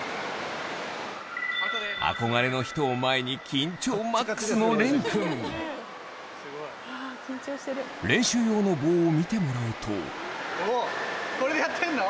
憧れの人を前に緊張マックスの錬くん練習用の棒を見てもらうとおっこれでやってんの？